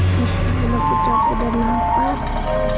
meskipun aku jauh sudah melampaui